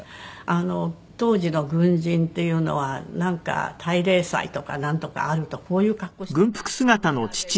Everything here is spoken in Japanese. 当時の軍人っていうのはなんか大例祭とかなんとかあるとこういう格好をしていかなきゃ。